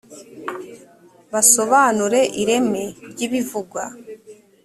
basobanure ireme ry ibivugwa